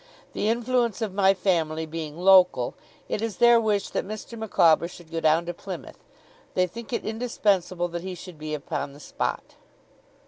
The influence of my family being local, it is their wish that Mr. Micawber should go down to Plymouth. They think it indispensable that he should be upon the spot.